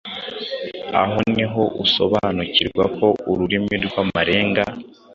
Aha niho usobanukirwa ko Ururimi rw’Amarenga